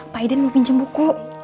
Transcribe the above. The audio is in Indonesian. pak iden mau pinjem buku